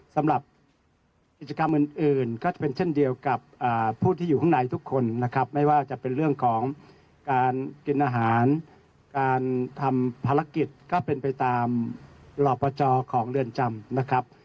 สำหรับกิจกรรมอื่นก็จะเป็นเช่นเดียวกับผู้ที่อยู่ข้างในทุกคนนะครับไม่ว่าจะเป็นเรื่องของการกินอาหารการทำภารกิจก็เป็นไปตามรอปจของเรือนจำนะครับ